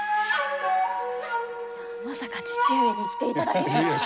まさか父上に来ていただけるとは。